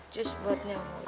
jus buat nyomot